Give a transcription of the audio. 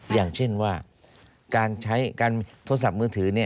อย่างเช่นว่าการใช้การโทรศัพท์มือถือ